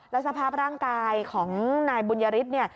แล้วสภาพร่างกายของนายบุญยฤทธิ์เนี่ย